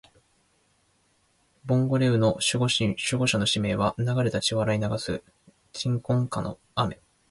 ボンゴレ雨の守護者の使命は、流れた血を洗い流す鎮魂歌の雨